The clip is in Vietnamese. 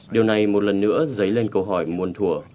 điều này một lần nữa dấy lên câu hỏi muôn thùa